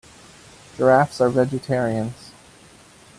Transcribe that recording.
Giraffes are vegetarians.